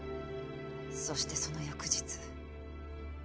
そしてその翌日。